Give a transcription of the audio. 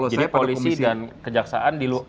jadi polisi dan kejaksaan diluk